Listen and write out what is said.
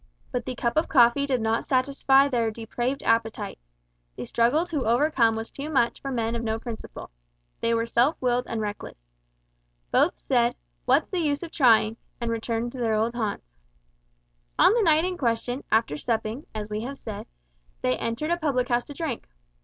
But the cup of coffee did not satisfy their depraved appetites. The struggle to overcome was too much for men of no principle. They were self willed and reckless. Both said, "What's the use of trying?" and returned to their old haunts. On the night in question, after supping, as we have said, they entered a public house to drink.